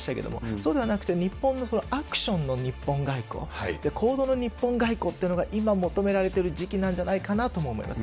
そうではなくて日本のアクションの日本外交、行動の日本外交というのが今求められてる時期なんじゃないかなとも思います。